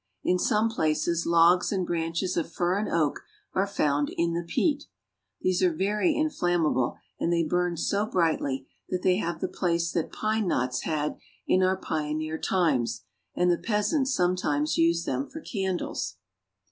In some places logs and branches of fir and oak are found in the peat. These are very inflammable, and they burn so brightly that they have the place that pine knots had in our pioneer times, and the peasants sometimes use them for candles.